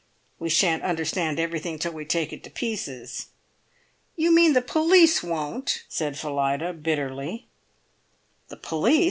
We shan't understand everything till we take it to pieces." "You mean the police won't!" said Phillida, bitterly. "The police!